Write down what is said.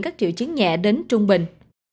các triệu chứng nhẹ đến trung bình